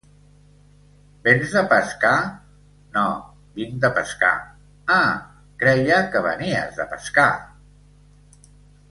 —Vens de pescar? —No, vinc de pescar! —Ah! Creia que venies de pescar...